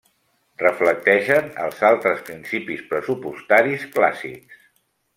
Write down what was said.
Reflecteixen els altres principis pressupostaris clàssics.